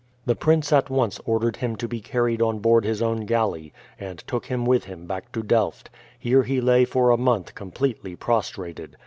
The prince at once ordered him to be carried on board his own galley, and took him with him back to Delft. Here he lay for a month completely prostrated.